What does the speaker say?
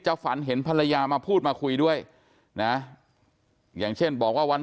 ฝันเห็นภรรยามาพูดมาคุยด้วยนะอย่างเช่นบอกว่าวัน